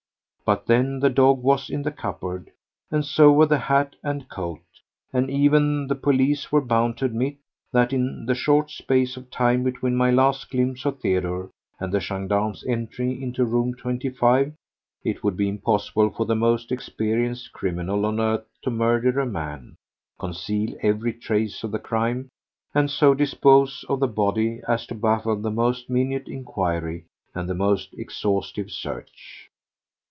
But then the dog was in the cupboard, and so were the hat and coat; and even the police were bound to admit that in the short space of time between my last glimpse of Theodore and the gendarme's entry into room 25 it would be impossible for the most experienced criminal on earth to murder a man, conceal every trace of the crime, and so to dispose of the body as to baffle the most minute inquiry and the most exhaustive search.